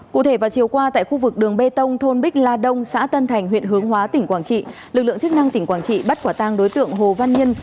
cụ thể vào chiều qua tại khu vực đường bê tông thôn bích la đông xã tân thành huyện hướng hóa tỉnh quảng trị lực lượng chức năng tỉnh quảng trị bắt quả tang đối tượng hồ văn nhân